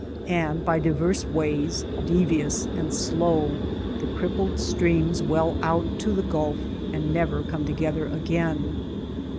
And by divers ways, devious and slow, the crippled streams well out to the Gulf and never come together again.